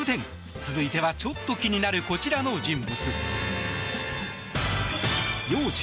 続いてはちょっと気になるこちらの人物。